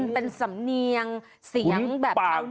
เป็นสำเนียงเสียงแบบเท่าเหนือ